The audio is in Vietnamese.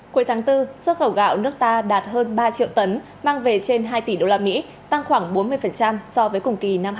cuối tháng bốn xuất khẩu gạo nước ta đạt hơn ba triệu tấn mang về trên hai tỷ usd tăng khoảng bốn mươi so với cùng kỳ năm hai nghìn hai mươi ba